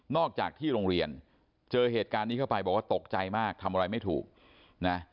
อกจากที่โรงเรียนเจอเหตุการณ์นี้เข้าไปบอกว่าตกใจมากทำอะไรไม่ถูกนะ